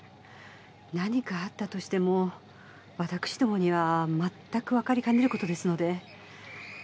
何かあったとしてもわたくしどもにはまったくわかりかねる事ですので。